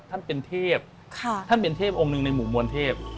ท่านเป็นเทพท่านเป็นเทพองค์หนึ่งในหมู่มวลเทพ